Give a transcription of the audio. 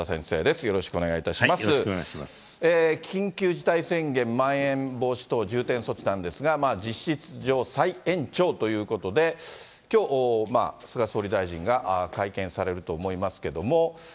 緊急事態宣言、まん延防止等重点措置なんですが、実質上、再延長ということで、きょう、菅総理大臣が会見されると思いますけれども。